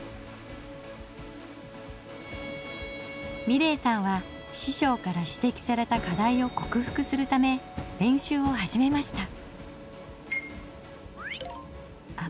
美礼さんは師匠から指摘された課題をこくふくするため練習を始めました。